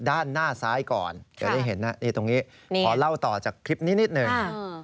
ด้านหน้าซ้ายก่อนเดี๋ยวได้เห็นนะนี่ตรงนี้ขอเล่าต่อจากคลิปนี้นิดหนึ่ง